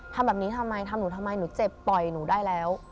ทำแบบนี้ทำไมทำหนูทำไมหนูเจ็บปล่อยหนูได้แล้ว